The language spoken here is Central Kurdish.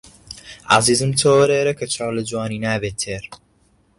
عەزیزم تۆ وەرە ئێرە کە چاو لە جوانی نابێ تێر